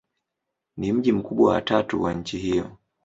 Ni mji mkubwa wa tatu wa nchi hiyo.